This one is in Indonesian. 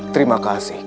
terima kasih ki